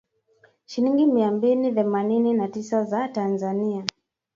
Shilingi mia mbili themanini na tisa za Tanzania